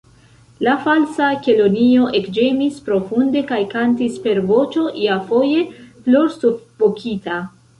La Falsa Kelonio ekĝemis profunde, kaj kantis per voĉo iafoje plorsufokita.